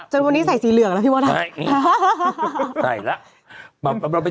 จนวันนี้ใส่สีเหลืองแล้วพี่โม้น